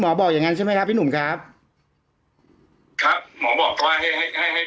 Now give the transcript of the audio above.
พอบโยนกันสิครับวดดำปอบโยนกัน